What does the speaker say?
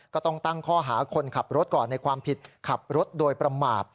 ก็ต้องตั้งข้อหาคนขับรถก่อนในความผิดขับรถโดยประมาท